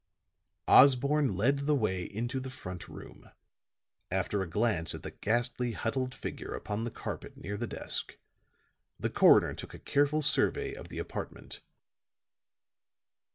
Osborne led the way into the front room. After a glance at the ghastly, huddled figure upon the carpet near the desk, the coroner took a careful survey of the apartment.